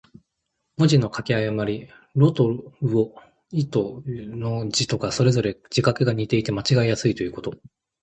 文字の書き誤り。「魯」と「魚」、「亥」と「豕」の字とが、それぞれ字画が似ていて間違えやすいということ。